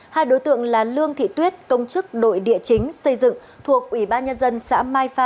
hai đối tượng là lương thị tuyết công chức đội địa chính xây dựng thuộc ủy ban nhân dân xã mai pha